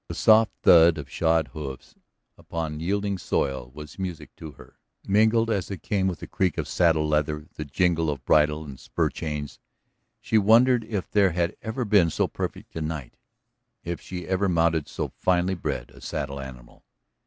The soft thud of shod hoofs upon yielding soil was music to her, mingled as it came with the creak of saddle leather, the jingle of bridle and spur chains. She wondered if there had ever been so perfect a night, if she had ever mounted so finely bred a saddle animal.